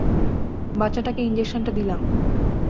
বাচ্চাটাকে ইনজেকশনটা দিলাম।